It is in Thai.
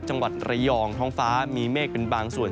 จังหวัดระยองท้องฟ้ามีเมฆเป็นบางส่วน